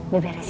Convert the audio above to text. biar beres ya